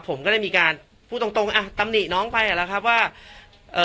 ผมก็ได้มีการพูดตรงตรงอ่ะตำหนิน้องไปอ่ะแล้วครับว่าเอ่อ